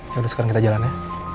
ya udah sekarang kita jalan ya